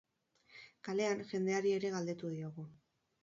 Kalean, jendeari ere galdetu diogu.